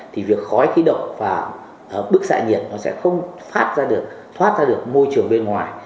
thì việc khói khí động và bức xạ nhiệt nó sẽ không thoát ra được môi trường bên ngoài